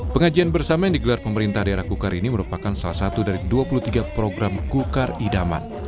pengajian bersama yang digelar pemerintah daerah gukar ini merupakan salah satu dari dua puluh tiga program gukar idaman